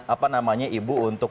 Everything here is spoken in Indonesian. apa namanya ibu untuk